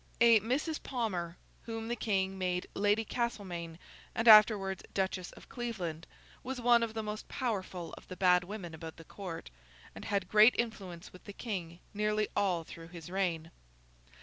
A Mrs. Palmer, whom the King made Lady Castlemaine, and afterwards Duchess of Cleveland, was one of the most powerful of the bad women about the Court, and had great influence with the King nearly all through his reign.